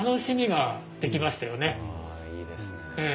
ああいいですね。